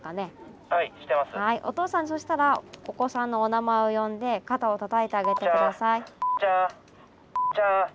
おとうさんそうしたらお子さんのお名前を呼んで肩をたたいてあげて下さい。